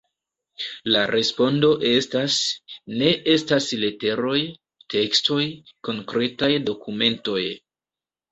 La respondo estas: ne estas leteroj, tekstoj, konkretaj dokumentoj.